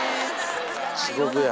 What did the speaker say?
地獄や。